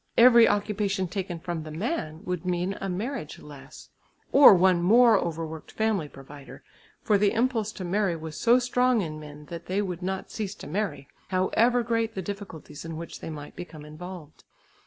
Every occupation taken from the man would mean a marriage less or one more overworked family provider, for the impulse to marry was so strong in men that they would not cease to marry, however great the difficulties in which they might become involved.